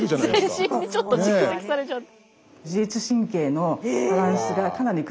全身にちょっと蓄積されちゃって。